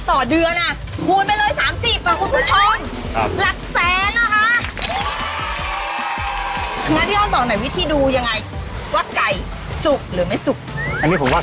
คุณผู้ชมสังเกตนะว่า